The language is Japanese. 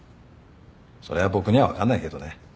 それは僕には分かんないけどね。